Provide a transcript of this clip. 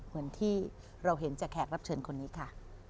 เหมือนที่เราเห็นจากแขกรับเชิญคนนี้ค่ะ